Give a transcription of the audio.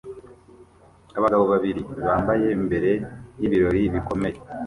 Abagabo babiri bambaye mbere y'ibirori bikomeye